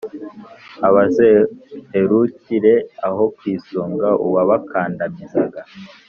bazaherukire aho kwisunga uwabakandamizaga,